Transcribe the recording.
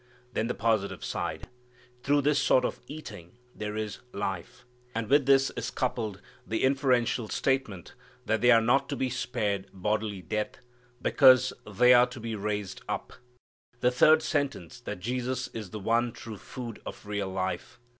Then the positive side: through this sort of eating there is life. And with this is coupled the inferential statement that they are not to be spared bodily death, because they are to be raised up. The third sentence, that Jesus is the one true food of real life.